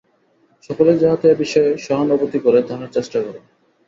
সকলেই যাহাতে এ বিষয়ে সহানুভূতি করে, তাহার চেষ্টা কর।